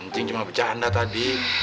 cing cuma bercanda tadi